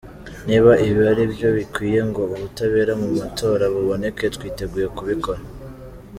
Niba ibi aribyo bikwiye ngo ubutabera mu matora buboneke, twiteguye kubikora.